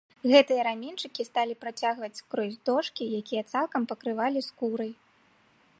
Гэтыя раменьчыкі сталі працягваць скрозь дошкі, якія цалкам пакрывалі скурай.